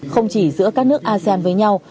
không chỉ giữa các nước asean với nhau